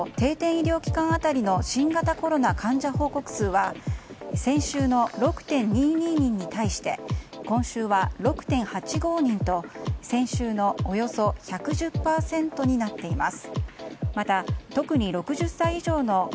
医療機関当たりの新型コロナ患者報告数は先週の６．２２人に対して今週は６．８５人と先週のおよそ１１０％になっています。